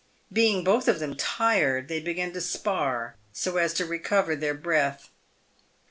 Being both of them tired, they began to spar, so as to recover their breath.